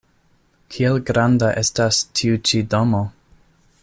Kiel granda estas tiu-ĉi domo?